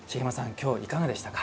今日いかがでしたか？